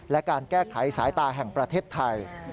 และการแก้ไขสายตาแห่งประเทศไทย